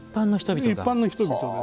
一般の人々が？